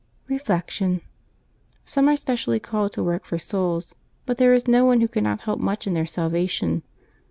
Reflection. — Some are specially called to work for souls ; but there is no one who cannot help much in their salva tion.